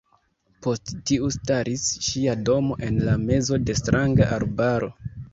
Post tiu staris ŝia domo en la mezo de stranga arbaro.